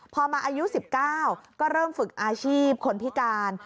พอมาอายุ๑๙ก็เริ่มฝึกอาชีพคนพิการ